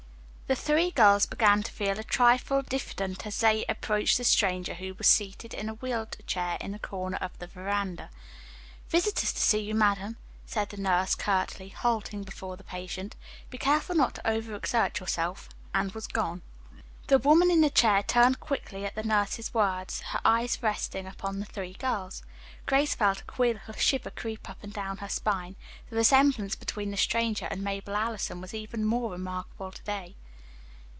The three girls began to feel a trifle diffident as they approached the stranger who was seated in a wheeled chair in a corner of the veranda. "Visitors to see you, madam," said the nurse curtly, halting before the patient. "Be careful not to over exert yourself," and was gone. The woman in the chair turned quickly at the nurse's words, her eyes resting upon the three girls. Grace felt a queer little shiver creep up and down her spine. The resemblance between the stranger and Mabel Allison was even more remarkable to day.